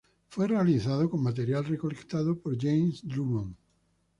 Fue realizado con material recolectado por James Drummond.